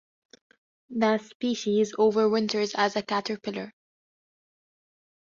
The species overwinters as a caterpillar.